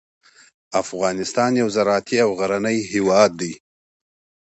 افغانستان یو زراعتي او غرنی هیواد دی.